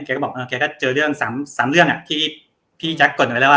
แกก็บอกอ่าแกก็เจอเรื่องสามสามเรื่องอ่ะที่พี่แจ๊คกดไว้แล้วอ่ะ